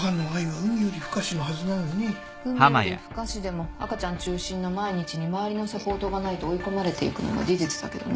海より深しでも赤ちゃん中心の毎日に周りのサポートがないと追い込まれていくのも事実だけどね。